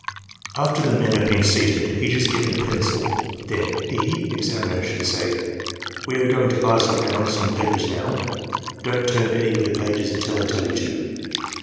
PROCEDURE After the men have been seated, each is given a pencil. Then E. (examiner) should say: "We are going to pass around some papers now; don't turn any of the pages until I tell you to."